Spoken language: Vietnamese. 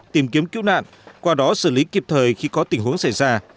tìm kiếm cứu nạn qua đó xử lý kịp thời khi có tình huống xảy ra